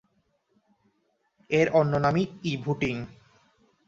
এর অন্য নাম ই-ভোটিং।